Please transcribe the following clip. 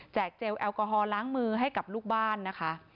เจลแอลกอฮอลล้างมือให้กับลูกบ้านนะคะ